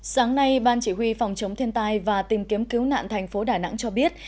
sáng nay ban chỉ huy phòng chống thiên tai và tìm kiếm cứu nạn thành phố đà nẵng cho biết